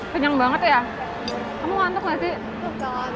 penyam banget ya kamu ngantuk masih